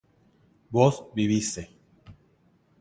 vos vivise